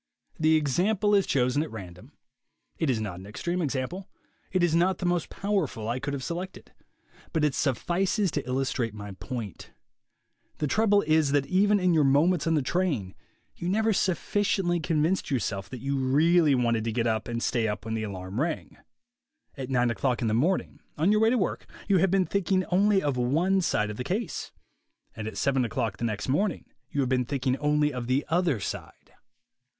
The example is chosen at random. It is not an extreme example. It is not the most powerful I could have selected. But it suffices to illustrate my point. The trouble is that even in your moments on the train you never sufficiently con vinced yourself that you really wanted to get up and stay up when the alarm rang. At nine o'clock in the morning, on your way to work, you have been thinking only of one side of the case; and at seven o'clock the next morning you have been thinking only of the other side.